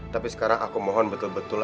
tapi sekarang aku mohon betul betul